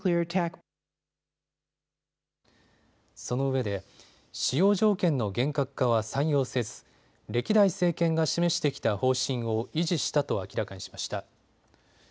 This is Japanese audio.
そのうえで使用条件の厳格化は採用せず歴代政権が示してきた方針を維持したと明らかにしました。